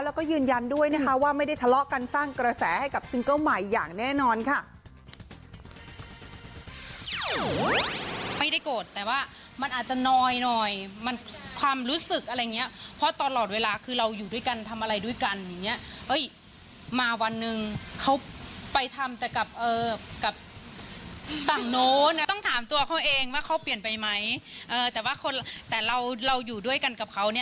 แล้วก็ยืนยันด้วยนะคะว่าไม่ได้ทะเลาะกันสร้างกระแสให้กับซิงเกิ้ลใหม่อย่างแน่นอนค่ะ